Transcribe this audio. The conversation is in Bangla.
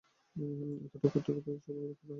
এতটাও খু্ঁতখুতে স্বভাবের থাকা ঠিক নাহ।